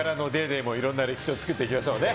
でも、いろんな歴史を作っていきましょうね。